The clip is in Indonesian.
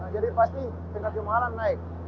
jadi pasti tingkat kemahalan naik